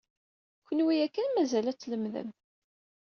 Kenwi yakan mazal ad tlemmdem.